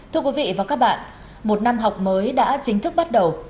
thưa quý vị và các bạn một năm học mới đã chính thức bắt đầu